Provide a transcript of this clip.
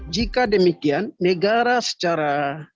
jika demikian negara secara